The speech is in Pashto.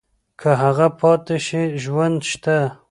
که هغه پاتې شي ژوند شته.